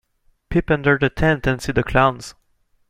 Peep under the tent and see the clowns.